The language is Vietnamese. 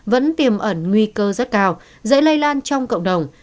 vẫn tiềm ẩn nguy cơ rất cao dễ lây lan trong cộng đồng